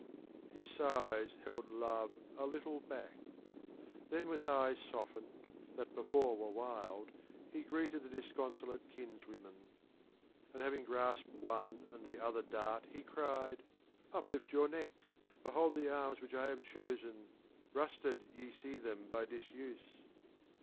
/. so.. ; j ^^j IV His sighs held Love a little back : then with eyes softened, that before were wild, he greeted the disconsolate kinswomen ; And having grasped one and the other dart he cried :' Uplift your necks : behold the arms which I have chosen ; rusted ye see them by disuse.